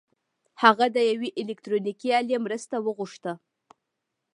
هغه د يوې الکټرونيکي الې مرسته وغوښته.